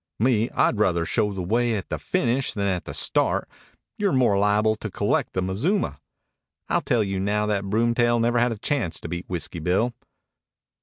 "Me, I'd ruther show the way at the finish than at the start. You're more liable to collect the mazuma. I'll tell you now that broomtail never had a chance to beat Whiskey Bill."